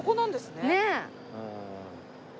ねえ。